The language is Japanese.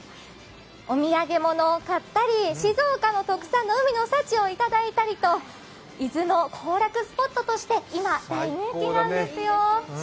お土産物を買ったり静岡の特産の海の幸をいただいたりと伊豆の行楽スポットとして今、大人気なんですよね。